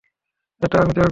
এটা আমি দেখব।